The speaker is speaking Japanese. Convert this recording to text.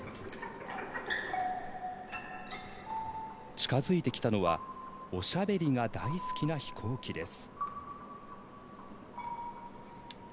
近づいてきたのはおしゃべりが大好きな飛行機です。